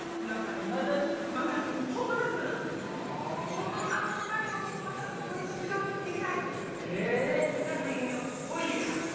本当にこの単位落としてまたまた卒業できないみたいな夢をすごい見る。